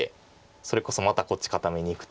それこそまたこっち固めにいくとか。